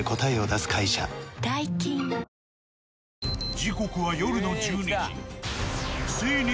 時刻は夜の１２時。